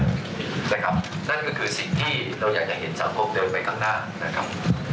นั่นก็คือสิ่งที่เราอยากจะเห็นสังคมเดินไปข้างหน้านะครับ